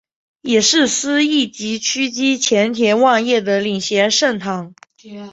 也是司铎级枢机前田万叶的领衔圣堂。